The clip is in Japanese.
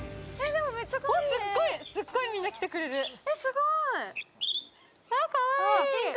すっごい、みんな来てくれる。